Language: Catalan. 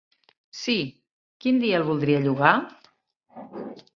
Sí, quin dia el voldria llogar?